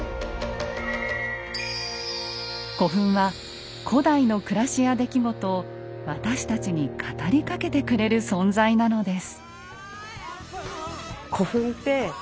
古墳は古代の暮らしや出来事を私たちに語りかけてくれる存在なのです。